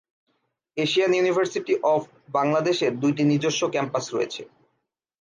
Asian University of বাংলাদেশের দুইটি নিজস্ব ক্যাম্পাস রয়েছে।